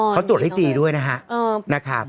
เขาตรวจให้ฟรีด้วยนะครับ